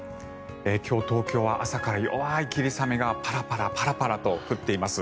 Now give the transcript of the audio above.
今日、東京は朝から弱い霧雨がパラパラと降っています。